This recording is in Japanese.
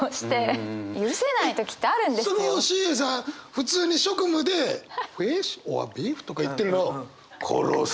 普通に職務で「フィッシュオアビーフ？」とか言ってるのを殺す！